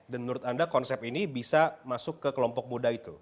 dan menurut anda konsep ini bisa masuk ke kelompok muda itu